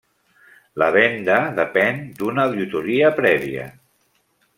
La venda depèn d'una auditoria prèvia.